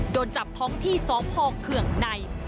โดนจับท้องที่สพเคืองใน